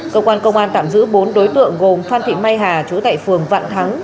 cơ quan công an tạm giữ bốn đối tượng gồm phan thị mai hà chú tại phường vạn thắng